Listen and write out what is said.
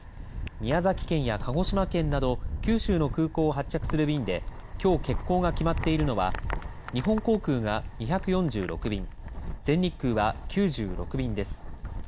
宮崎県や鹿児島県など九州の空港を発着する便で、きょう欠航が決まっているのは日本航空が２４６便、全日空は９６便です。